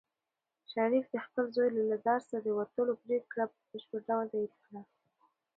شریف د خپل زوی له درسه د وتلو پرېکړه په بشپړ ډول تایید کړه.